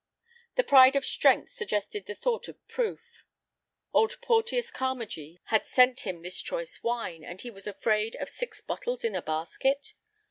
The pride of strength suggested the thought of proof. Old Porteus Carmagee had sent him this choice wine, and was he afraid of six bottles in a basket?